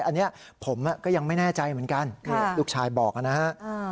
อันนี้ผมก็ยังไม่แน่ใจเหมือนกันลูกชายบอกนะฮะ